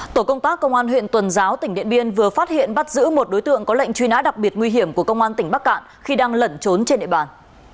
tổ công tác công an huyện tuần giáo tỉnh điện biên vừa phát hiện bắt giữ một đối tượng có lệnh truy nã đặc biệt nguy hiểm của công an tỉnh bắc cạn khi đang lẩn trốn trên địa bàn